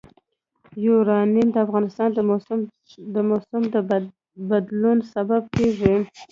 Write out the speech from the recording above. یورانیم د افغانستان د موسم د بدلون سبب کېږي.